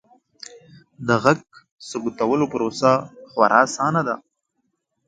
د غږ ثبتولو پروسه خورا اسانه ده.